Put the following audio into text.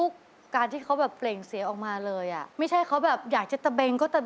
เป้ารักเป้ารอของพี่ร่วมสุริยานะครับ